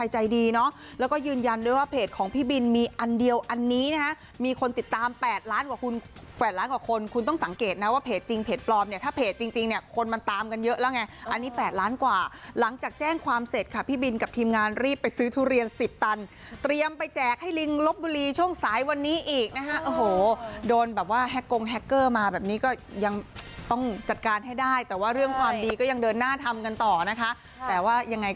ชอบพูดบ่อยนั่นเองนะคะเร็ว